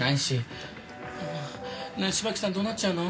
ねえ芝木さんどうなっちゃうの？